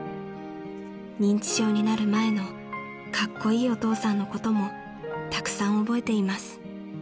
［認知症になる前のカッコイイお父さんのこともたくさん覚えています］